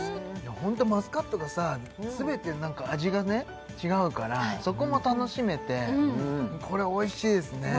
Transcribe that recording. ホントマスカットがさ全て味がね違うからそこも楽しめてこれおいしいですね